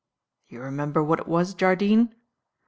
You remember what it was, Jardine?